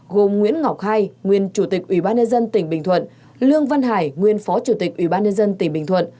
gồm nguyễn ngọc hai nguyên chủ tịch ủy ban nhân dân tỉnh bình thuận lương văn hải nguyên phó chủ tịch ủy ban nhân dân tỉnh bình thuận